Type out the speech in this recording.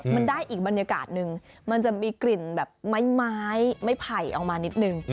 มันได้อีกบรรยากาศนึงมันจะมีกลิ่นแบบไม้ไม้ไผ่ออกมานิดนึง